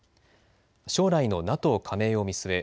将来のＮＡＴＯ加盟を見据え